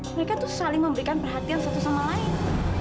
mereka tuh saling memberikan perhatian satu sama lain